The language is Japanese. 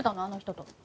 あの人と。